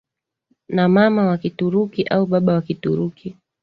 na mama wa Kituruki au baba wa Kituruki